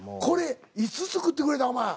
これいつ作ってくれたん？